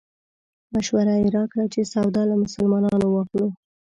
مشوره یې راکړې وه چې سودا له مسلمانانو واخلو.